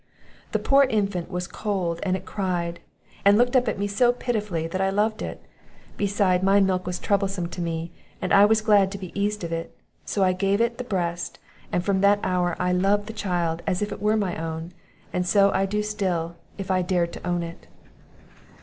The poor infant was cold, and it cried, and looked up at me so pitifully, that I loved it; beside, my milk was troublesome to me, and I was glad to be eased of it; so I gave it the breast, and from that hour I loved the child as if it were my own, and so I do still if I dared to own it."